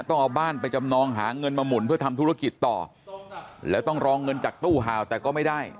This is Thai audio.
ต้องเอาบ้านไปจำนองหาเงินมาหมุนเพื่อทำธุรกิจต่อแล้วต้องรอเงินจากตู้ห่าวแต่ก็ไม่ได้